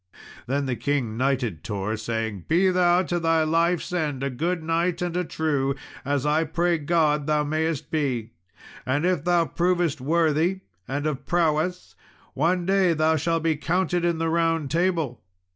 Then the king knighted Tor, saying, "Be thou to thy life's end a good knight and a true, as I pray God thou mayest be; and if thou provest worthy, and of prowess, one day thou shall be counted in the Round Table."